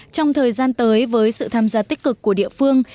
trong thời gian tới với sự tham gia tích cực của địa phương